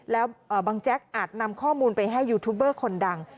แล้วบางแจ๊กอาจนำข้อมูลไปให้ยูทูบเบอร์คนดัง